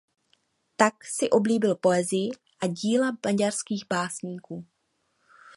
Tak si oblíbil poezii a díla maďarských básníků.